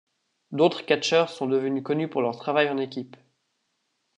D'autres catcheurs sont devenus connu pour leur travail en équipe.